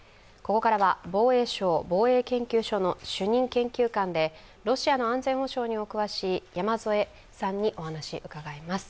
ここからは防衛省防衛研究所の主任研究官でロシアの安全保障にお詳しい山添さんにお話をうかがいます。